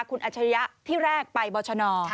คุณอัจฉริยะที่แรกไปบรชน